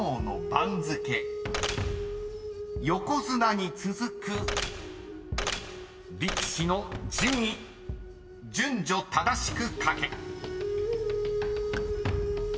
［横綱に続く力士の順位順序正しく書け］